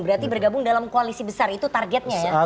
berarti bergabung dalam koalisi besar itu targetnya ya